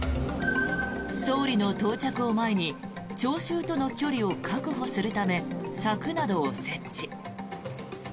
総理の到着を前に聴衆との距離を確保するため柵などを設置。